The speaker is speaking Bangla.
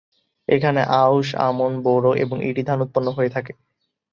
এখানে আউশ, আমন, বোরো এবং ইরি ধান উৎপন্ন হয়ে থাকে।